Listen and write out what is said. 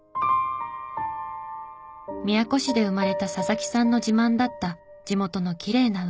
宮古市で生まれた佐々木さんの自慢だった地元のきれいな海。